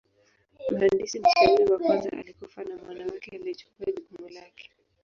Mhandisi mshauri wa kwanza alikufa na mwana wake alichukua jukumu lake.